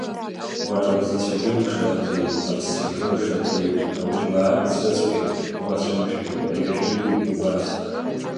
Уара абзацәагьы умшаҭеит, аԥсцәагьы умшаҭеит, жәлар рҵәыцәгьагь уацәымшәеит, рышәигьы убас.